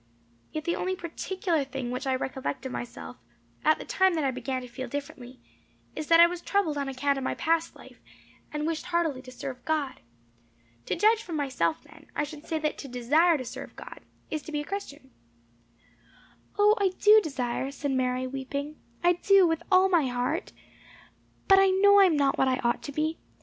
Yet the only particular thing which I recollect of myself, at the time that I began to feel differently, is that I was troubled on account of my past life, and wished heartily to serve God. To judge from myself, then, I should say that to desire to serve God, is to be a Christian." "O, I do desire," said Mary, weeping. "I do, with all my heart. But I know I am not what I ought to be.